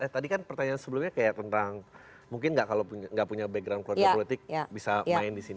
tadi kan pertanyaan sebelumnya kayak tentang mungkin nggak kalau nggak punya background keluarga politik bisa main di sini